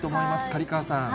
刈川さん。